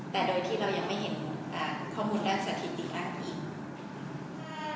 แต่โดยที่เรายังไม่เห็นข้อมูลแรกสถิติอันอีก